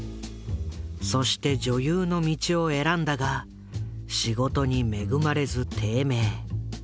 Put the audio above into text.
そして女優の道を選んだが仕事に恵まれず低迷。